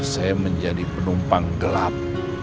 saya menjadi penumpang gelap